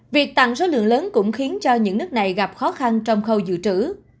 việc tăng số lượng lớn cũng khiến cho những nước này gặp khó khăn trong khâu dự trữ